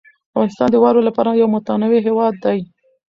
افغانستان د واورو له پلوه یو متنوع هېواد دی.